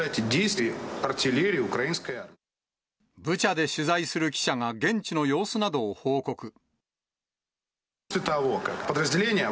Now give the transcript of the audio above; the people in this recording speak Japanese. ブチャで取材する記者が現地の様子などを報告。